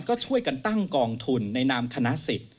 ก็ช่วยกันตั้งกองทุนในนามคณะสิทธิ์